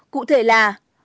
cụ thể là